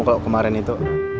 kalau kemarin itu